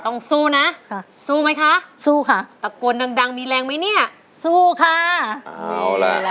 ต้องสู้นะสู้ไหมคะ